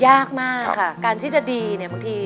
ยากมากค่ะการที่จะดีเนี่ยบางที